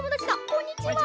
こんにちは。